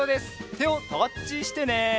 てをタッチしてね！